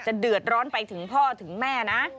เดือดร้อนไปถึงพ่อถึงแม่นะ